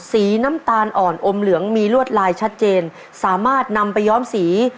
สีน้ำตาลอ่อนอมเหลืองมีลวดลายชัดเจนสามารถนำไปย้อมสี